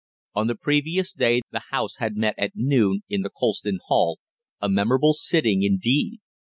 On the previous day the House had met at noon in the Colston Hall a memorable sitting, indeed.